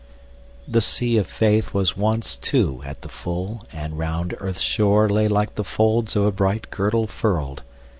The sea of faithWas once, too, at the full, and round earth's shoreLay like the folds of a bright girdle furl'd.